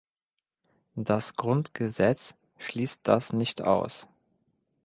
Das Grundgesetz schließt das nicht aus.